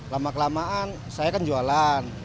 lama kelamaan saya kan jualan